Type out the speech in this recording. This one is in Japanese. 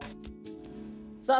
さあ